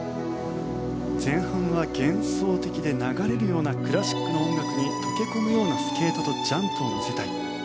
前半は幻想的で流れるようなクラシックの音楽に溶け込むようなスケートとジャンプを見せたい。